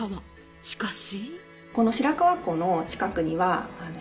しかし。